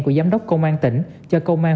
của giám đốc công an tỉnh cho công an